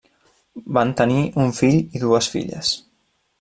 Van tenir un fill i dues filles.